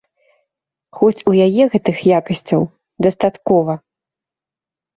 Хоць у яе гэтых якасцяў дастаткова.